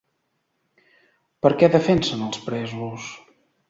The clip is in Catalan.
Per què defensen els presos?